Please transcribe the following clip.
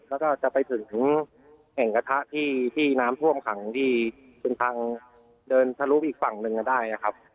แล้วก็จะไปถึงแอ่งกระทะที่น้ำท่วมขังที่เป็นทางเดินทะลุไปอีกฝั่งหนึ่งก็ได้นะครับ